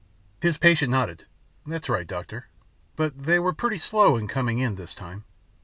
His patient nodded, "That's right, Doctor. But they were pretty slow coming in this time."